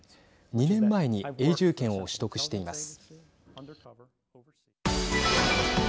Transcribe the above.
２年前に永住権を取得しています。